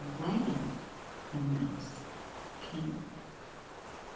53 away the Mouse King.